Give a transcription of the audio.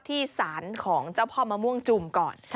ที่ศาลของเจ้าพ่อมะม่วงจุ่มก่อน